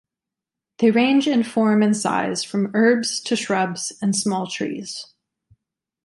They range in form and size from herbs to shrubs and small trees.